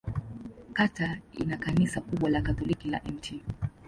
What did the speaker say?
Kata ina kanisa kubwa la Katoliki la Mt.